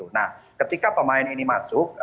nah ketika pemain ini masuk